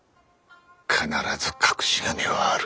必ず隠し金はある。